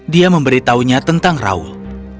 dia memberitahunya tentang raul